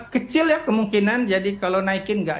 kecil ya kemungkinan jadi kalau naikin nggak